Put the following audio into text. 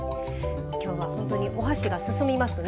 今日はほんとにお箸が進みますね。